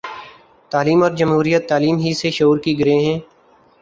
تعلیم اور جمہوریت تعلیم ہی سے شعور کی گرہیں